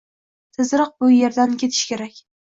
Tezroq bu erdan ketish kerak